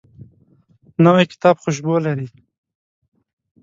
نوی کتاب خوشبو لري